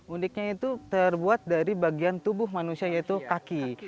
uniknya itu terbuat dari bagian tubuh manusia yaitu kaki